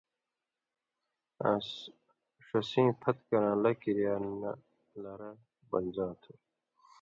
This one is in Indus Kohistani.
آں ݜسیں پھت کران٘لاں کِریا نہ لر بنژا تُھو